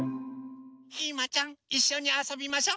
ひまちゃんいっしょにあそびましょ。